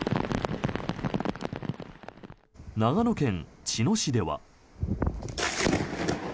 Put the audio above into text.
長野県茅野市では。